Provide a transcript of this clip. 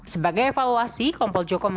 sebagai evaluasi kompol joko